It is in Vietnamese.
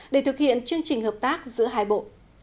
để thực hiện chương trình hợp tác giữa hai bộ